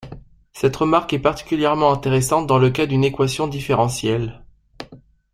Cette remarque est particulièrement intéressante dans le cas d'une équation différentielle.